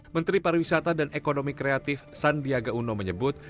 menteri pariwisata dan ekonomi kreatif sandiaga uno menyebut